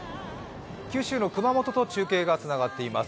九州の熊本と中継がつながっています。